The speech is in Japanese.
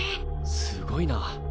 すごいな！